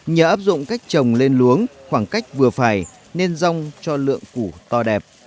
nhờ áp dụng cách trồng lên luống khoảng cách vừa phải nên rong cho lượng củ to đẹp